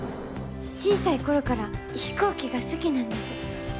小さい頃から飛行機が好きなんです。